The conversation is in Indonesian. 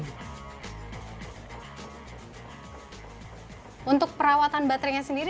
ketika diperoleh baterai ini akan berhasil dikonsumsi dengan kecepatan yang mencapai lima puluh juta rupiah